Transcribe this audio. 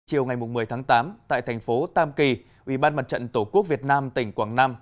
chiều ngày một mươi tháng tám tại thành phố tam kỳ ubnd tổ quốc việt nam tỉnh quảng nam